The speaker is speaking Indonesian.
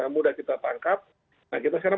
mudah kita tangkap nah kita sekarang